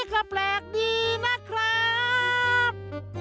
ความแปลกดีมากครับ